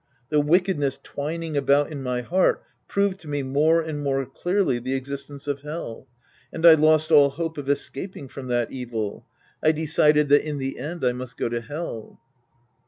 The wicked ness twining about in my heart proved to me more and more clearly the existence of Hell. And I lost all hope of escaping from that evil. I decided that in the end I must go to Hell.